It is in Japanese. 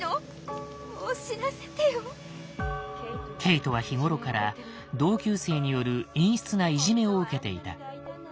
ケイトは日頃から同級生による陰湿ないじめを受けていた。